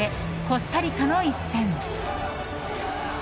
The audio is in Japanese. コスタリカの一戦。